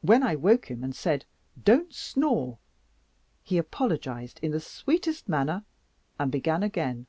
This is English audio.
When I woke him, and said, 'Don't snore,' he apologized in the sweetest manner, and began again.